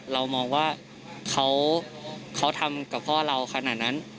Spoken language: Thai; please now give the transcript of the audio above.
เรามองว่าเขาทำกับพ่อเราขนาดนั้น